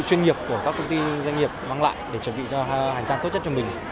chuyên nghiệp của các công ty doanh nghiệp vắng lại để chuẩn bị cho hành trang tốt nhất cho mình